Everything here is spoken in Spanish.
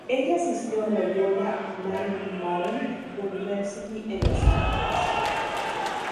Ella asistió a Loyola Marymount University en Los Angeles.